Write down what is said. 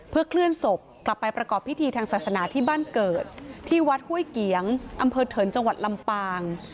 เพื่อเคลื่อนศพกลับไปประกอบพิธีทางศาสนาที่บ้านเกิดที่วัดห้วยเกียงอำเภอเถินจังหวัดลำปาง